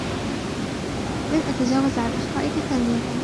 لن أتجاوز عن أخطائك ثانيةً.